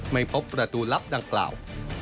ไม่พบประตูลับดังกล่าว